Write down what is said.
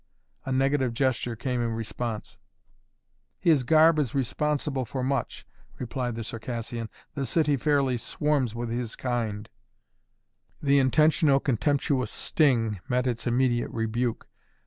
A negative gesture came in response. "His garb is responsible for much," replied the Circassian. "The city fairly swarms with his kind " The intentional contemptuous sting met its immediate rebuke.